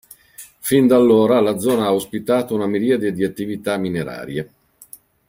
Fin da allora la zona ha ospitato una miriade di attività minerarie.